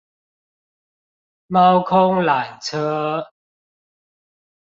貓空纜車